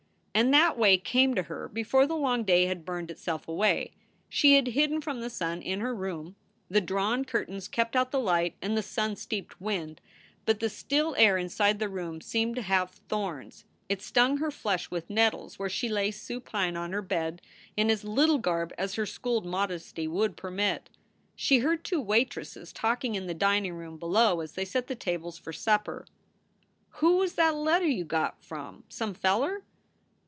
And that way came to her before the long day had burned itself away. She had hidden from the sun in her room. The drawn curtains kept out the light and the sun steeped wind ; but the still air inside the room seemed to have thorns. It stung her flesh with nettles where she lay supine on her bed in as little garb as her schooled modesty would permit. She heard two waitresses talking in the dining room below as they set the tables for supper. "Who was that letter you got, from? some feller